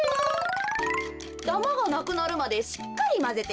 ダマがなくなるまでしっかりまぜてや。